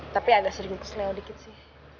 tapi agak sering keseneo dikit sih